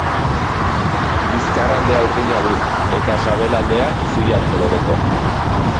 Bizkarraldea urdina du, eta sabelaldea zilar kolorekoa.